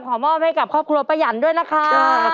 ขอมอบให้กับครอบครัวประหยันต์ด้วยนะครับ